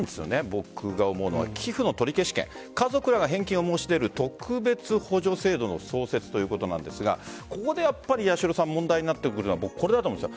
僕が思うのは寄付の取り消し権家族らが返金を申し出る特別補助制度の創設ということですがここで問題になってくるのがこれだと思います。